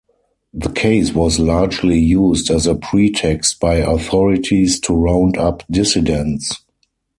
The case was largely used as a pretext by authorities to round up dissidents.